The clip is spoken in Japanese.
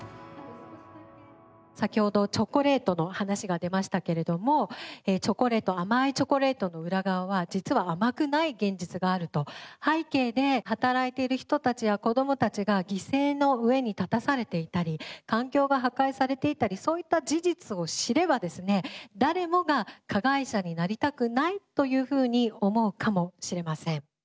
先ほどチョコレートの話が出ましたけれども甘いチョコレートの裏側は実は甘くない現実があると背景で働いている人たちや子どもたちが犠牲の上に立たされていたり環境が破壊されていたりそういった事実を知れば誰もが加害者になりたくないというふうに思うかもしれません。